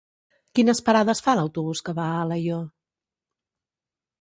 Quines parades fa l'autobús que va a Alaior?